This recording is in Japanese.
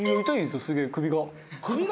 すげえ首が。